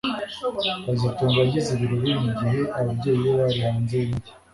kazitunga yagize ibirori mugihe ababyeyi be bari hanze yumujyi